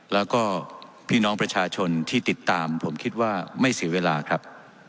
แล้วก็พี่น้องประชาชนที่ติดตามผมคิดว่าไม่เสียเวลาครับ